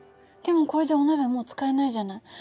でもこれじゃお鍋がもう使えないじゃない。